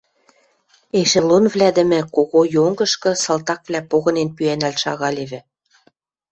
Эшелонвлӓдӹмӹ кого йонгышкы салтаквлӓ погынен пӱӓнӓлт шагалевӹ.